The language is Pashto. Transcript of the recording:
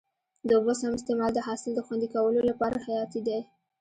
د اوبو سم استعمال د حاصل د خوندي کولو لپاره حیاتي دی.